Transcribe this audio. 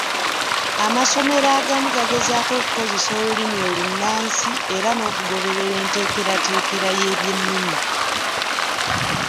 Amasomero agamu gageezaako okukozesa olulimi olunnansi era n’okugoberera enteekerateekera y’ebyennimi.